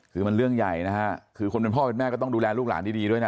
คือมันเรื่องใหญ่นะฮะคือคนเป็นพ่อเป็นแม่ก็ต้องดูแลลูกหลานดีด้วยนะ